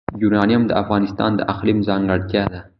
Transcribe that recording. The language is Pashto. یورانیم د افغانستان د اقلیم ځانګړتیا ده.